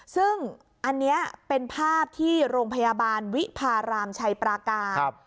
ซึ่งอันนี้เป็นภาพที่โรงพยาบาลวิพารามชัยปราการ